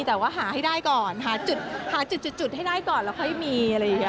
แต่ว่าหาให้ได้ก่อนหาจุดให้ได้ก่อนแล้วค่อยมี